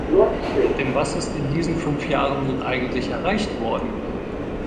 Denn was ist in diesen fünf Jahren nun eigentlich erreicht worden?